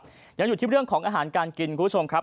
อย่างนี้หยุดที่เรื่องของอาหารการกินคุณคุณผู้ชมครับ